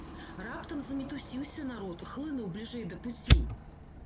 Раптам замітусіўся народ, хлынуў бліжэй да пуцей.